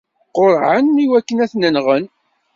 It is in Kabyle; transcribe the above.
Qurɛen iwakken ad t-nɣen.